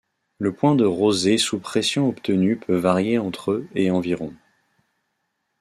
Le point de rosée sous pression obtenu peut varier entre et environ.